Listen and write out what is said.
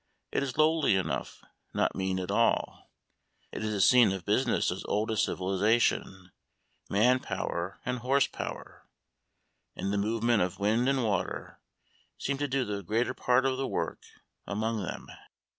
It is lowly enough, not mean at all. It is the scene of business as old as civilisation; man power and horse power, and the movement of wind and water, seem to do the greater part of the work among them.